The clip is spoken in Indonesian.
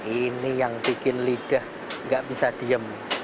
ini yang bikin lidah tidak bisa diam